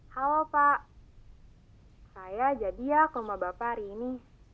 halo pak saya jadi ya koma bapak hari ini